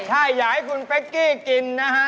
ใช่อยากให้คุณเป๊กกี้กินนะฮะ